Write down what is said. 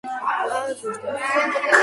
ააზვირთებს